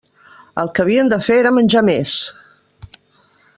El que havien de fer era menjar més!